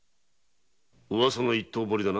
ウワサの一刀彫りだな。